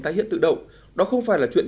tái hiện tự động đó không phải là chuyện